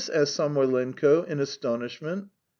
asked Samoylenko, in astonishment.